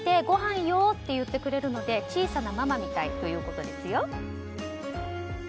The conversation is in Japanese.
ごはんよ！って言ってくれるので小さなママみたいということです。